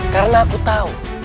karena aku tahu